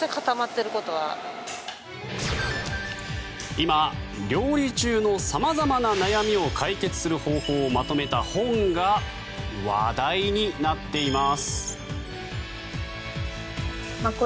今、料理中の様々な悩みを解決する方法をまとめた本が話題になっています。